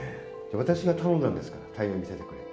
私が頼んだんですから、太陽を見せてくれって。